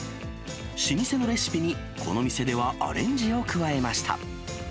老舗のレシピに、この店ではアレンジを加えました。